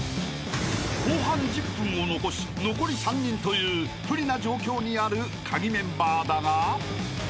［後半１０分を残し残り３人という不利な状況にあるカギメンバーだが］